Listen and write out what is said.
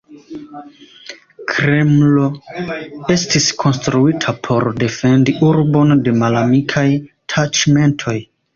Kremlo estis konstruita por defendi urbon de malamikaj taĉmentoj.